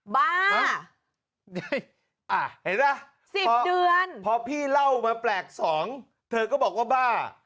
บ้าอ่าเห็นไหมพอพี่เล่ามาแปลกสองเธอก็บอกว่าบ้า